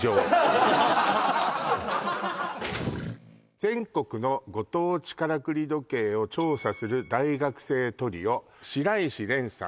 全国のご当地からくり時計を調査する大学生トリオ白石廉さん